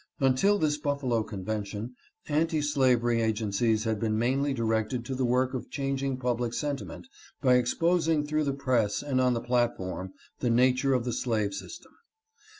Until this Buffalo convention, anti slavery agencies had been mainly directed to the work of changing public sentiment by exposing through the press and on the platform the nature of the slave system.